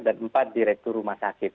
dan empat direktur rumah sakit